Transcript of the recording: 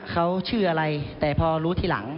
เขาชื่ออะไรแต่พอรู้ทีหลัง